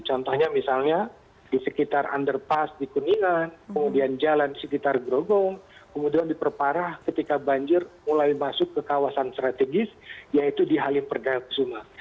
contohnya misalnya di sekitar underpass di kuningan kemudian jalan sekitar grogong kemudian diperparah ketika banjir mulai masuk ke kawasan strategis yaitu di halim perdana kusuma